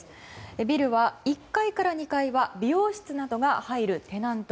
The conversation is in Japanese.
ビルは１階から２階は美容室などが入るテナント。